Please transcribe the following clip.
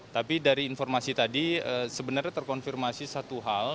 tapi dari informasi tadi sebenarnya terkonfirmasi satu hal